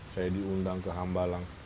saya diundang ke hambalang